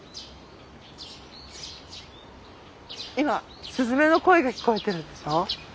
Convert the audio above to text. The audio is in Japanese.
今すずめの声が聞こえてるでしょ。